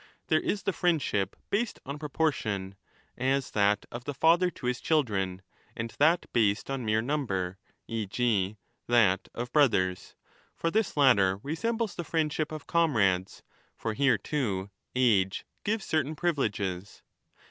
There is the friendship based on proportion, as that of the father to his children, and that based on mere number, e. g. 5 that of brothers, for this latter resembles the friendship of comrades ; for here too age gives certain privileges.